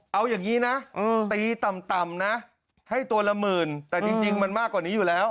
เอาอย่างนี้นะตีต่ำนะให้ตัวละหมื่นแต่จริงมันมากกว่านี้อยู่แล้ว